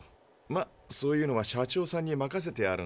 まそういうのは社長さんに任せてあるんで。